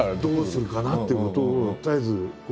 どうするかなっていうことを絶えず。